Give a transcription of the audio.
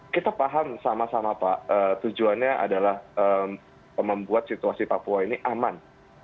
kita paham sama sama pak tujuannya adalah membuat situasi papua ini aman